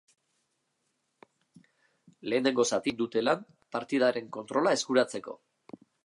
Lehenengo zatian, bi taldeek egin dute lan partidaren kontrola eskuratzeko.